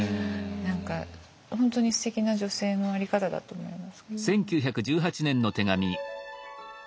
何か本当にすてきな女性の在り方だと思いますけど。